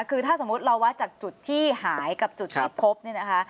คือถ้าสมมุติเราวัดจากจุดที่หายกับจุดที่พบเนี่ยนะคะ